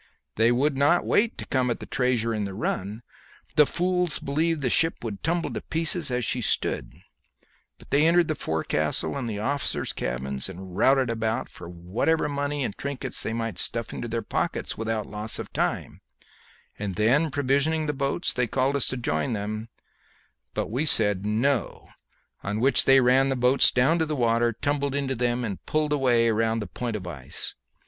They would not wait to come at the treasure in the run the fools believed the ship would tumble to pieces as she stood but entered the forecastle and the officers' cabins, and routed about for whatever money and trinkets they might stuff into their pockets without loss of time; and then provisioning the boats, they called to us to join them, but we said, No, on which they ran the boats down to the water, tumbled into them, and pulled away round the point of ice.